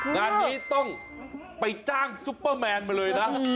งานนี้ต้องไปจ้างซุปเปอร์แมนมาเลยนะ